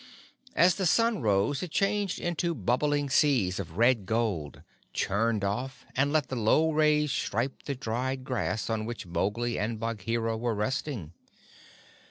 As the sun rose it changed into bubbling seas of red gold, churned off, and let the low rays stripe the dried grass on which Mowgli and Bagheera were resting.